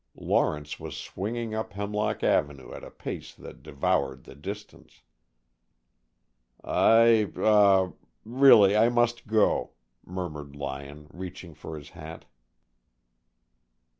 Lawrence was swinging up Hemlock Avenue at a pace that devoured the distance. "I er really, I must go," murmured Lyon, reaching for his hat.